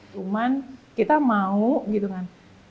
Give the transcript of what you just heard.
cuman kita mau gitu kan